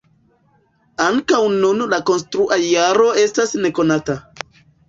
Ankaŭ nun la konstrua jaro estas nekonata.